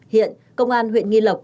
hiện công an huyện nghi lộc